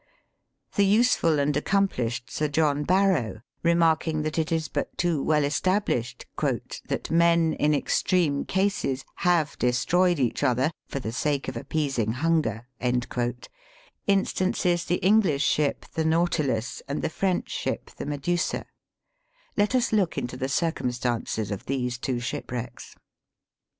The useful and accomplished SIR JOHN I!ARUO\V, remarking that it is but too well established " that men in extreme cases have destroyed each other for the sake of appeasing hunger," instances the English ship the Nautilus and the French ship the j\lc Let us look into the circumstances of these two shipwrecks.